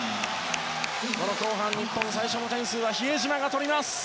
後半、日本最初の点数は比江島が取りました。